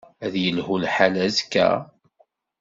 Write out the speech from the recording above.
Ad yelhu lḥal azekka?